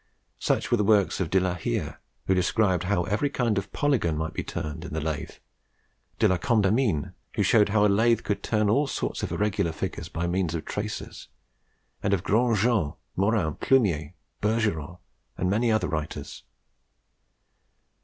Such were the works of De la Hire, who described how every kind of polygon might be made by the lathe; De la Condamine, who showed how a lathe could turn all sorts of irregular figures by means of tracers; and of Grand Jean, Morin, Plumier, Bergeron, and many other writers.